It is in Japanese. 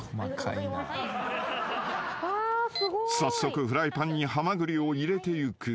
［早速フライパンにハマグリを入れていく］